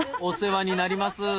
お世話になります。